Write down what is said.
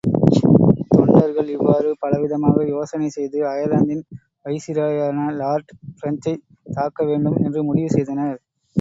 தொண்டர்கள் இவ்வாறு பலவிதமாக யோசனை செய்து, அயர்லாந்தின் வைசிராயான லார்ட் பிரெஞ்சைத் தாக்க வேண்டும் என்று முடிவு செய்தனர்.